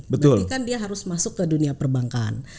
berarti kan dia harus masuk ke dunia perbankan